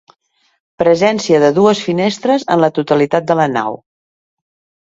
Presència de dues finestres en la totalitat de la nau.